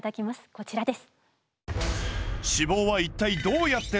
こちらです。